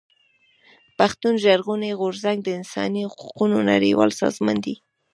پښتون ژغورني غورځنګ د انساني حقوقو نړيوال سازمان دی.